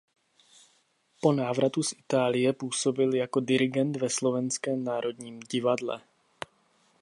Po návratu z Itálie působil jako dirigent v Slovenském národním divadle.